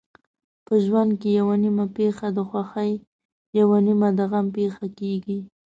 په ژوند کې یوه نیمه پېښه د خوښۍ یوه نیمه د غم پېښه کېږي.